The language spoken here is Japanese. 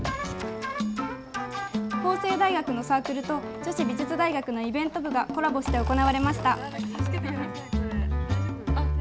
法政大学のサークルと女子美術大学のイベント部がコラボして行われました。